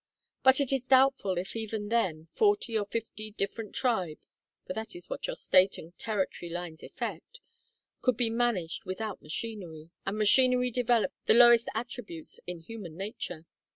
But it is doubtful if even then, forty or fifty different tribes for that is what your State and territory lines effect could be managed without machinery, and machinery develops the lowest attributes in human nature.